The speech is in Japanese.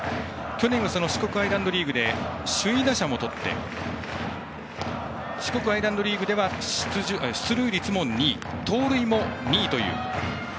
去年は四国アイランドリーグで首位打者もとって四国アイランドリーグでは出塁率も２位、盗塁も２位。